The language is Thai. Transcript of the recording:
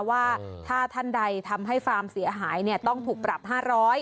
ว่าถ้าท่านใดทำให้ฟาร์มเสียหายต้องถูกปรับ๕๐๐บาท